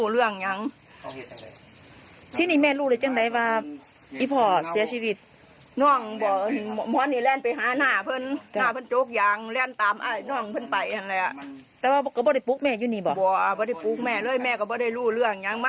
เราว่าสัตว์อายุใส่แล้วมีคนก็จะดอกห้องไวเขาไปเบิ้งแม่คอยพูดเบิ้ง